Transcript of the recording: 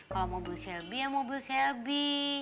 kalau mobil selby ya mobil selby